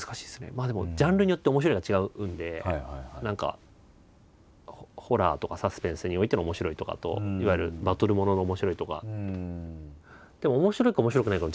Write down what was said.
まあでもジャンルによって「面白い」が違うので何かホラーとかサスペンスにおいての「面白い」とかといわゆるバトルものの「面白い」とか。